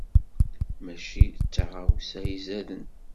Mačči d taɣawsa i izaden.